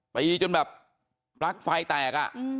ไปจนแบบปรักฦ์ไฟแตก